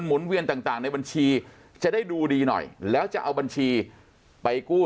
เวียนต่างในบัญชีจะได้ดูดีหน่อยแล้วจะเอาบัญชีไปกู้